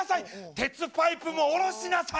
鉄パイプも下ろしなさい。